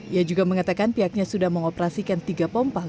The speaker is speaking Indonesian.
ia juga mengatakan pihaknya sudah mengoperasikan tiga pompa